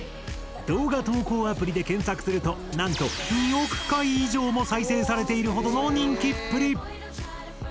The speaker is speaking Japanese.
動画投稿アプリで検索するとなんと２億回以上も再生されているほどの人気っぷり！